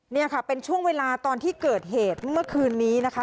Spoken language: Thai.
นี่ค่ะเป็นช่วงเวลาตอนที่เกิดเหตุเมื่อคืนนี้นะคะ